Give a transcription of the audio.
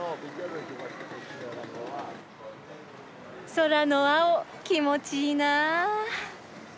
空の青気持ちいいな。